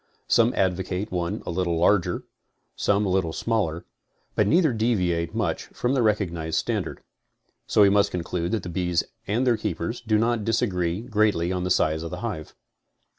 Some advocate one a little larger, some a little smaller, but neither deviate much from the recognized stan dard. So we must conclude that the bees and their keeper do not disagree greatly on the size of the hive.